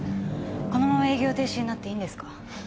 このまま営業停止になっていいんですか？